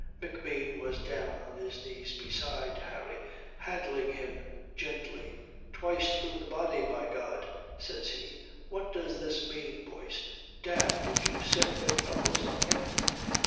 McBean was down on his knees beside Harry, handling him gently. "Twice through the body, by God," says he. "What does this mean, Boyce? Damme, did you set your fellows on him?"